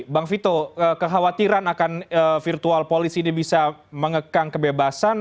bang vito kekhawatiran akan virtual polisi ini bisa mengekang kebebasan